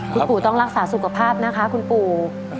คุณปู่ต้องรักษาสุขภาพนะคะคุณปู่